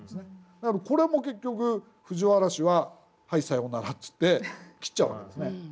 だけどこれも結局藤原氏は「はいさようなら」って言って切っちゃう訳ですね。